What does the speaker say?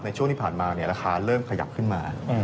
ในช่วงที่ผ่านมาราคาเริ่มขยับขึ้นมา